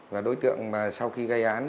và đối tượng mà sau khi gây án